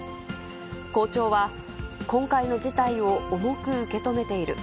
校長は、今回の事態を重く受け止めている。